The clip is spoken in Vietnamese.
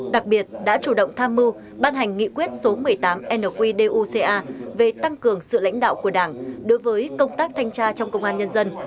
đặc biệt đã chủ động tham mưu ban hành nghị quyết số một mươi tám nqduca về tăng cường sự lãnh đạo của đảng đối với công tác thanh tra trong công an nhân dân